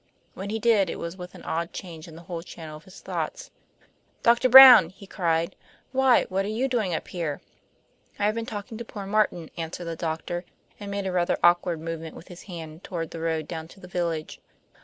When he did, it was with an odd change in the whole channel of his thoughts. "Doctor Brown!" he cried. "Why, what are you doing up here?" "I have been talking to poor Martin," answered the doctor, and made a rather awkward movement with his hand toward the road down to the village.